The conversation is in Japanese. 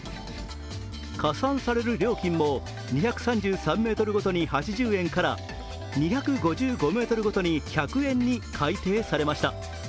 加算される料金も２３３ｍごとに８０円から２５５ｍごとに１００円に改定されました